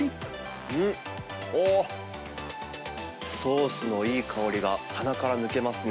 ん、おっ、ソースのいい香りが、鼻から抜けますね。